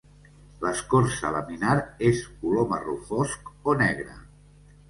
L'escorça laminar és color marró fosc o negre.